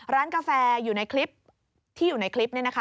กาแฟอยู่ในคลิปที่อยู่ในคลิปนี้นะคะ